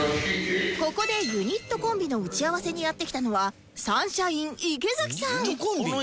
ここでユニットコンビの打ち合わせにやって来たのはサンシャイン池崎さん